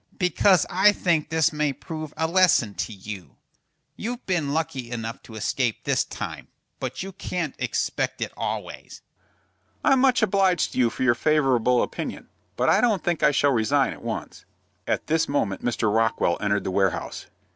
"Because I think this may prove a lesson to you. You've been lucky enough to escape this time, but you can't expect it always." "I'm much obliged to you for your favorable opinion; but I don't think I shall resign at once." At this moment Mr. Rockwell entered the warehouse.